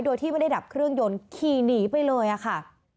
โดยที่ไม่ได้ดับเครื่องยนต์ขี่หนีไปเลยอะค่ะ